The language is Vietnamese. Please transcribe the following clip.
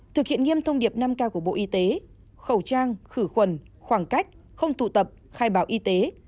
thực hiện nghiêm thông điệp năm k của bộ y tế khẩu trang khử khuẩn khoảng cách không tụ tập khai báo y tế